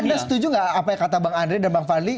anda setuju nggak apa yang kata bang andre dan bang fadli